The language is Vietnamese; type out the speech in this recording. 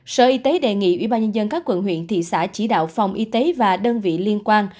sở y tế đề nghị ubnd các quận huyện thị xã chỉ đạo phòng y tế và đơn vị liên quan